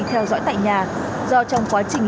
theo dõi tại nhà do trong quá trình